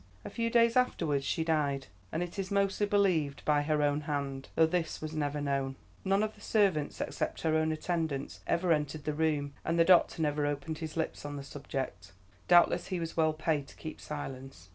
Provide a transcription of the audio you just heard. "A few days afterwards she died, and it is mostly believed by her own hand, though this was never known. None of the servants, except her own attendants, ever entered the room, and the doctor never opened his lips on the subject. Doubtless he was well paid to keep silence.